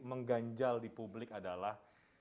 mengganjal di publik adalah